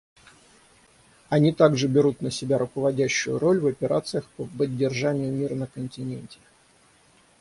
Они также берут на себя руководящую роль в операциях по поддержанию мира на континенте.